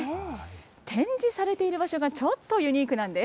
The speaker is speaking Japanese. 展示されている場所がちょっとユニークなんです。